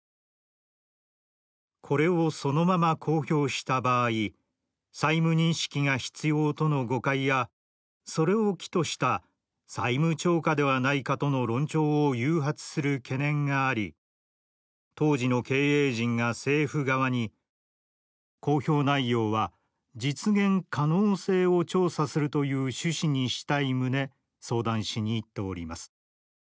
「これをそのまま公表した場合債務認識が必要との誤解やそれを機とした債務超過ではないかとの論調を誘発する懸念があり当時の経営陣が政府側に『公表内容は実現可能性を調査するという趣旨にしたい』旨相談しに行っております。